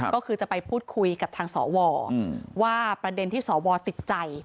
ก็คือจะไปพูดคุยกับทางสวว่าประเด็นที่สวติดใจ